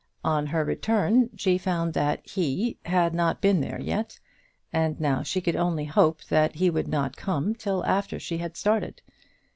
On her return she found that "he" had not been there yet, and now she could only hope that he would not come till after she had started.